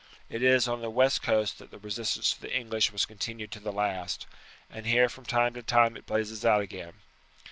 It is on the west coast that the resistance to the English was continued to the last, and here from time to time it blazes out again.